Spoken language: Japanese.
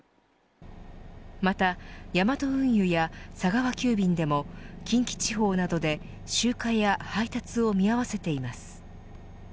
またヤマト運輸や佐川急便でも近畿地方などで集荷や配達を見合わせています。